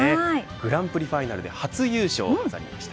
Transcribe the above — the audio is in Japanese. グランプリファイナルで初優勝飾りました。